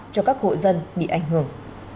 cho các hộ dân bị ảnh hưởng